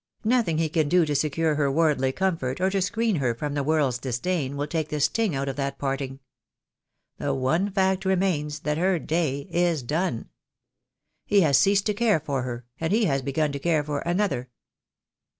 Nothing he can do to secure her worldly comfort or to screen her from the world's disdain will take the sting out of that parting. The one fact remains that her day is done. He has ceased to care for her, and he has begun to care for another.